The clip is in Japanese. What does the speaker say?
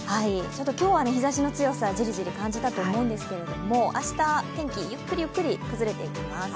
今日は日ざしの強さ、じりじり感じたと思うんですけど明日、天気ゆっくりゆっくり崩れていきます。